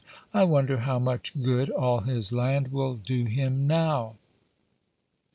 I wonder how much good all his land will do him now?"